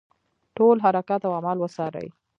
ټول حرکات او اعمال وڅاري.